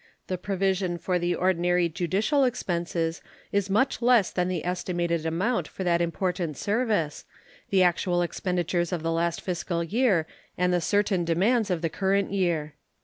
The provision for the ordinary judicial expenses is much less than the estimated amount for that important service, the actual expenditures of the last fiscal year, and the certain demands of the current year.